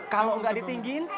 kalau gak ditinggiin